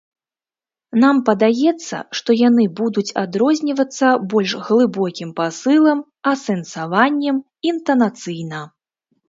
Нам падаецца, што яны будуць адрознівацца больш глыбокім пасылам, асэнсаваннем, інтанацыйна.